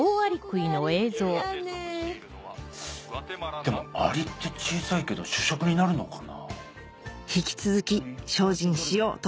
でもアリって小さいけど主食になるのかな？